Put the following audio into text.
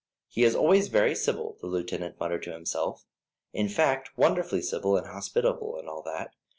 "He is always very civil," the lieutenant muttered to himself; "in fact, wonderfully civil and hospitable, and all that.